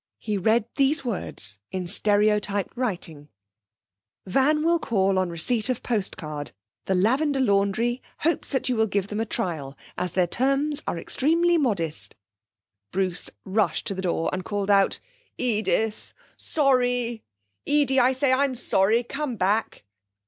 He read these words in stereotyped writing: _'Van will call on receipt of post card. The Lavender Laundry hopes that you will give them a trial, as their terms are extremely mod '_ Bruce rushed to the door and called out: 'Edith! Sorry! Edie, I say, I'm sorry. Come back.'